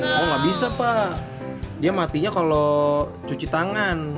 oh nggak bisa pak dia matinya kalau cuci tangan